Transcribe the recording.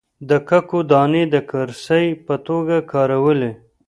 د ککو دانې د کرنسۍ په توګه کارولې.